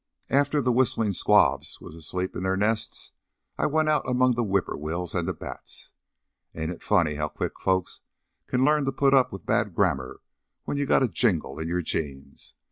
After the whistlin' squabs was asleep in their nests I went out among the whippoorwills an' the bats. Ain't it funny how quick folks can learn to put up with bad grammar when you got a jingle in your jeans?